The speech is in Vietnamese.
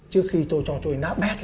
trước khi tôi trò chơi nát bét lên